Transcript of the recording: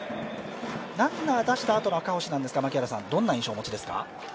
ランナー出したあとの赤星ですが、どんな印象をお持ちですか？